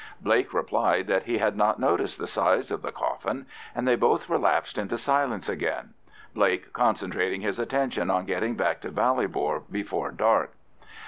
Blake replied that he had not noticed the size of the coffin, and they both relapsed into silence again, Blake concentrating his attention on getting back to Ballybor before dark.